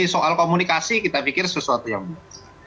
kalau komunikasi kita pikir sesuatu yang bagus